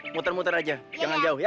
muter muter aja jangan jauh ya